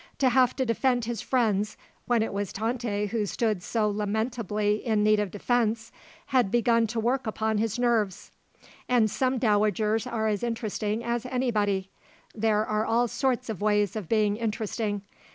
To have to defend his friends when it was Tante who stood so lamentably in need of defence had begun to work upon his nerves. "And some dowagers are as interesting as anybody. There are all sorts of ways of being interesting.